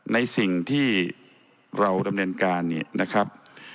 ในสิ่งที่เราดำเนินการเนี่ยนะครับ